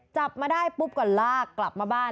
จับมาได้ปุ๊บก่อนลากกลับมาบ้าน